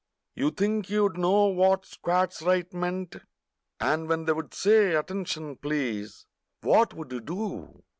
You think you'd know what "squads right" meant? And when they'd say "Attention!" Please What would you do?